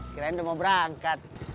kirain udah mau berangkat